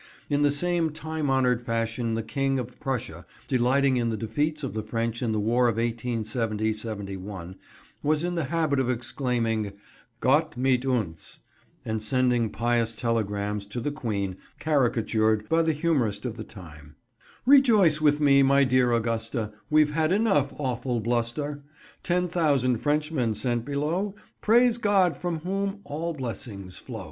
In the same time honoured fashion the King of Prussia, delighting in the defeats of the French in the war of 1870–71, was in the habit of exclaiming "Gott mitt uns," and sending pious telegrams to the Queen, caricatured by the humorist of the time— "Rejoice with me, my dear Augusta, We've had another awful buster; Ten thousand Frenchmen sent below— Praise God from whom all blessings flow!"